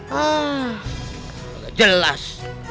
hah gak jelas